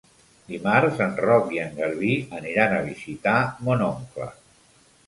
Dimarts en Roc i en Garbí aniran a visitar mon oncle.